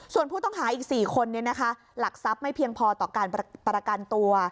ส่วนผู้ต้องหาอีก๔คนหลักทรัพย์ไม่เพียงพอต่อการประกันตัว